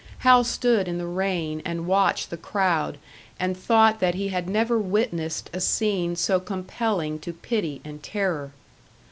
Hal stood in the rain and watched the crowd and thought that he had never witnessed a scene so compelling to pity and terror.